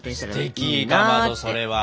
すてきかまどそれは。